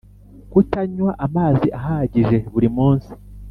kutanywa amazi ahagije buri munsi